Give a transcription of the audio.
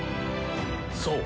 そう！